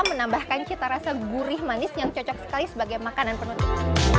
menambahkan cita rasa gurih manis yang cocok sekali sebagai makanan penutup